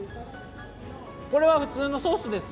これは普通のソースです。